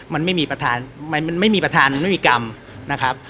มันไม่มีประธานมันไม่มีประธานมันไม่มีกรรมนะครับ